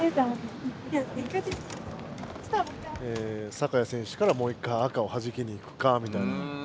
坂家選手からもう一回赤をはじきにいくかみたいな。